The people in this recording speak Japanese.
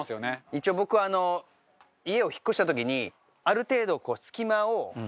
一応僕は家を引っ越した時にある程度。